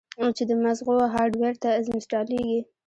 چې د مزغو هارډوئېر ته انسټاليږي